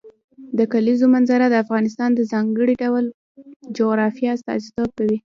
د کلیزو منظره د افغانستان د ځانګړي ډول جغرافیه استازیتوب کوي.